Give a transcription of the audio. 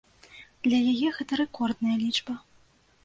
Для яе гэта рэкордная лічба.